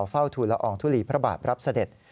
เฝ้าธุลอองทุลีพระบาทรัพย์รับเสด็จ